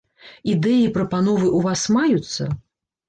Ідэі і прапановы ў вас маюцца?